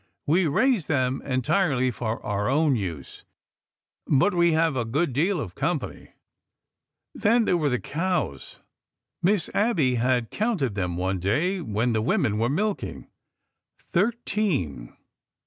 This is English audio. We raise them entirely for our own use. But we have a good deal of company." Then there were the cows. Miss Abby had counted them one day when the women were milking. Thirteen